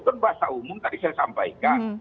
kan bahasa umum tadi saya sampaikan